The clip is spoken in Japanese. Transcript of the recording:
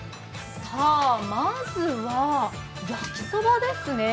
まずは焼きそばですね。